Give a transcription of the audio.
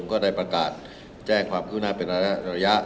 ก็ได้ประกาศแจ้งเรือนาคต